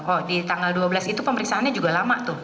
oh di tanggal dua belas itu pemeriksaannya juga lama tuh